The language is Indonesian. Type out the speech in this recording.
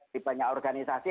di banyak organisasi